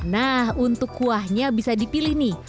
nah untuk kuahnya bisa dipilih nih